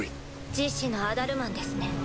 示指のアダルマンですね。